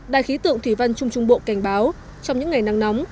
đài khí tượng thủy văn trung trung bộ cảnh báo trong những ngày nắng nóng